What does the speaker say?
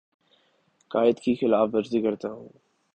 قوائد کی خلاف ورزی کرتا ہوں